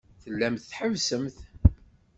Tellamt tḥebbsemt.